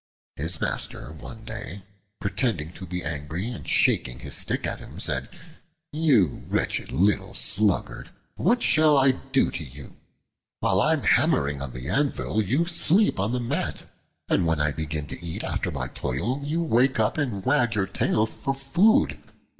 His master one day, pretending to be angry and shaking his stick at him, said, "You wretched little sluggard! what shall I do to you? While I am hammering on the anvil, you sleep on the mat; and when I begin to eat after my toil, you wake up and wag your tail for food.